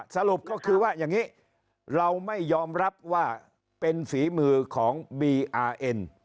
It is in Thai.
สรุปก็คือว่าอย่างนี้เราไม่ยอมรับว่าเป็นฝีมือของบีอาร์เอ็น